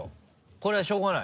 これはしょうがない